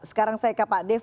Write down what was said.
sekarang saya ke pak dev